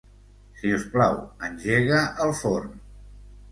Si us plau, engega el forn.